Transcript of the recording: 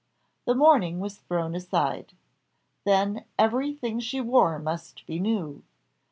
The mourning was thrown aside. Then every thing she wore must be new.